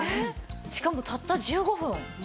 しかもたった１５分。